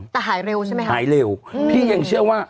แต่หายเร็วใช่ไหมชี่